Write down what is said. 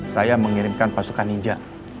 saya mengirimkan pasukan ninja